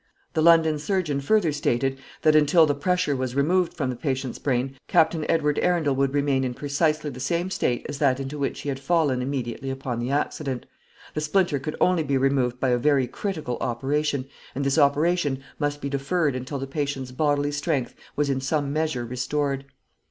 The London surgeon further stated, that until the pressure was removed from the patient's brain, Captain Edward Arundel would remain in precisely the same state as that into which he had fallen immediately upon the accident. The splinter could only be removed by a very critical operation, and this operation must be deferred until the patient's bodily strength was in some measure restored.